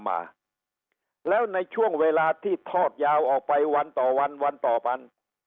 มาแล้วในช่วงเวลาที่ทอดยาวออกไปวันต่อวันวันต่อวัน